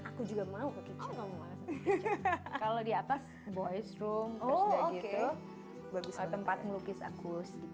aku juga mau kalau di atas boys room oh oke bagus tempat melukis aku sedikit